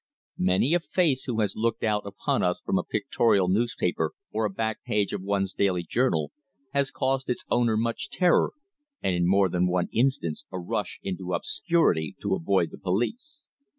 Many a face which has looked out upon us from a pictorial newspaper or a "back page" of one's daily journal, has caused its owner much terror, and in more than one instance a rush into obscurity to avoid the police.